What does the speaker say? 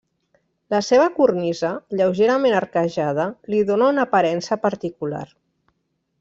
La seva cornisa, lleugerament arquejada, li dóna una aparença particular.